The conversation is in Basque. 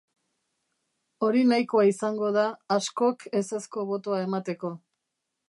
Hori nahikoa izango da askok ezezko botoa emateko.